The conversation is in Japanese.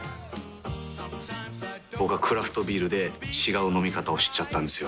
僕はクラフトビールで違う飲み方を知っちゃったんですよ。